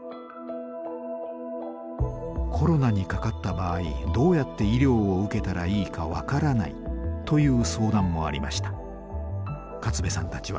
「コロナにかかった場合どうやって医療を受けたらいいか分からない」という相談もありました。